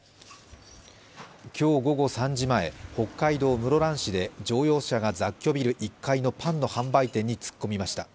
今日午後３時前、北海道室蘭市で乗用車が雑居ビル１階のパンの販売店に突っ込みました。